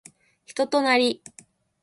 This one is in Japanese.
人となり